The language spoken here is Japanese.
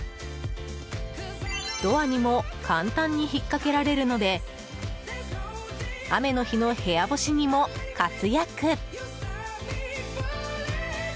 ドアにも簡単に引っ掛けられるので雨の日の部屋干しにも活躍。